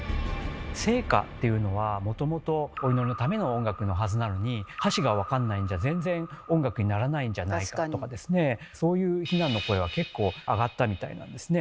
聖歌っていうのはもともとお祈りのための音楽のはずなのに歌詞がわかんないんじゃ全然音楽にならないんじゃないかとかですねそういう非難の声は結構あがったみたいなんですね。